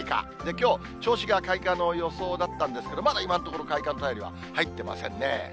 きょう、銚子が開花の予想だったんですけど、まだ今のところ、開花の便りは入ってませんね。